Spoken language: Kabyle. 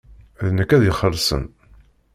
D nekk ad ixellṣen.